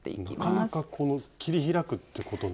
なかなかこの切り開くってことないですよね。